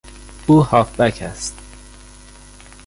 او هافبک است.